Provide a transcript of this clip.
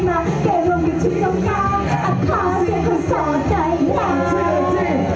สวัสดีสวัสดีสวัสดีสวัสดีสวัสดี